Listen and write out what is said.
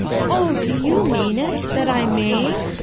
Oh! do you mean it? that I may